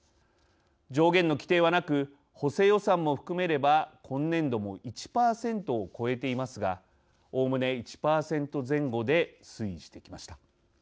上限の規定はなく補正予算も含めれば今年度も１％を超えていますがおおむね１％前後で推移してきました。